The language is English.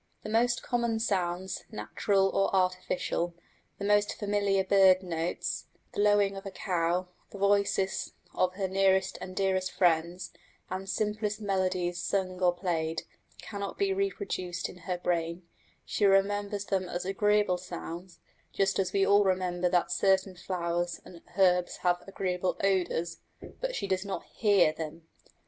The most common sounds, natural or artificial, the most familiar bird notes, the lowing of a cow, the voices of her nearest and dearest friends, and simplest melodies sung or played, cannot be reproduced in her brain: she remembers them as agreeable sounds, just as we all remember that certain flowers and herbs have agreeable odours; but she does not hear them.